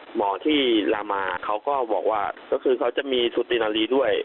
หมอที่ลามาเขาก็บอกว่าก็คือเขาจะมีสุตินารีด้วย